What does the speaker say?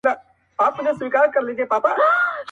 دا نور وزېږي، زلمي سي، بیا زاړه سي؛